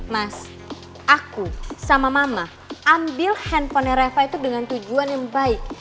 mas aku sama mama ambil handphonenya reva itu dengan tujuan yang baik